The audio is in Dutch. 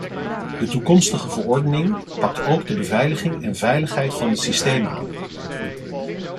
De toekomstige verordening pakt ook de beveiliging en veiligheid van de systemen aan.